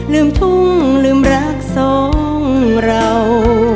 ลืมทุ่งลืมรักสองเรา